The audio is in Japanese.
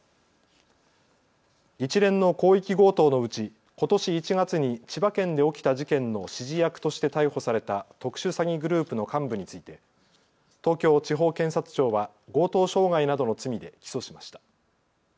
一連の広域強盗のうちことし１月に千葉県で起きた事件の指示役として逮捕された特殊詐欺グループの幹部について東京地方検察庁は強盗傷害などの罪で起訴しました。